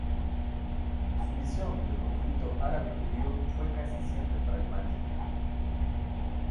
Su visión del conflicto árabe-judío fue casi siempre pragmática.